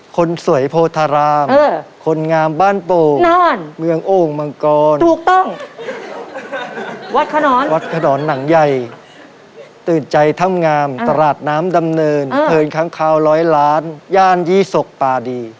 คนสวยโพธารามคนงามบ้านโป่งเมืองโอ่งมังกรถูกต้องวัดขนอนวัดขนอนหนังใหญ่ตื่นใจถ้ำงามตลาดน้ำดำเนินเพลินค้างคาวร้อยล้านย่านยี่ศกป่าดี